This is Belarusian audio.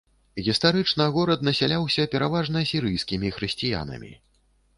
Гістарычна горад насяляўся пераважна сірыйскімі хрысціянамі.